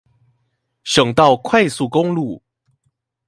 省道快速公路